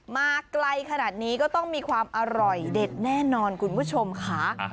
มาไกลขนาดนี้ก็ต้องมีความอร่อยเด็ดแน่นอนคุณผู้ชมค่ะ